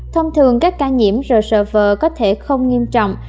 thông thường các ca nhiễm rsv có thể không nghiêm trọng